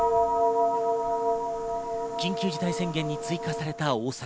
緊急事態宣言に追加された大阪。